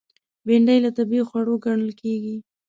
بېنډۍ له طبیعي خوړو ګڼل کېږي